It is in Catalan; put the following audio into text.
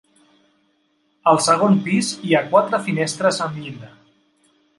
Al segon pis hi ha quatre finestres amb llinda.